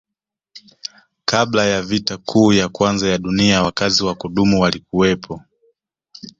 Kabla ya vita kuu ya kwanza ya Dunia wakazi wa kudumu walikuwepo